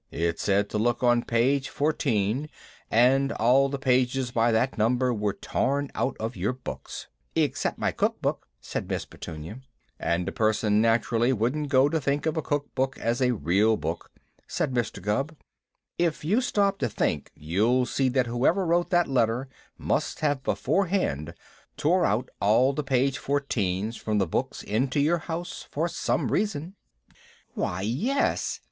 It said to look on page fourteen, and all the pages by that number was torn out of your books " "Except my cook book," said Miss Petunia. "And a person naturally wouldn't go to think of a cook book as a real book," said Mr. Gubb. "If you stop to think, you'll see that whoever wrote that letter must have beforehand tore out all the page fourteens from the books into your house, for some reason." "Why, yes!"